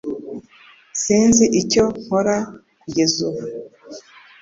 Sinzi icyo nkora kugeza ubu